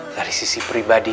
dari sisi pribadi